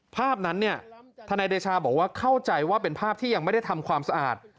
ภาพนั้นเนี่ยทนายเดชาบอกว่าเข้าใจว่าเป็นภาพที่ยังไม่ได้ทำความสะอาด